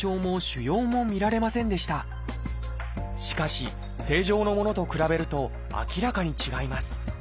しかし正常のものと比べると明らかに違います。